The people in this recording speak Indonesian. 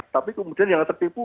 tapi kemudian yang tertipu